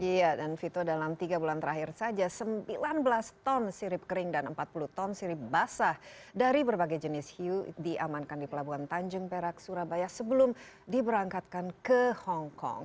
iya dan vito dalam tiga bulan terakhir saja sembilan belas ton sirip kering dan empat puluh ton sirip basah dari berbagai jenis hiu diamankan di pelabuhan tanjung perak surabaya sebelum diberangkatkan ke hongkong